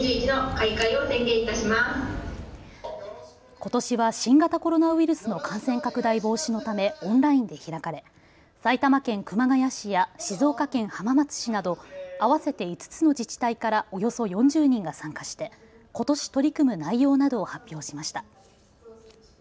ことしは新型コロナウイルスの感染拡大防止のためオンラインで開かれ埼玉県熊谷市や静岡県浜松市など合わせて５つの自治体からおよそ４０人が参加してことし取り組む内容などを発表しました。